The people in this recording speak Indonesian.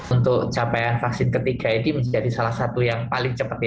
untuk capaian vaksin ketiga ini menjadi salah satu yang paling cepat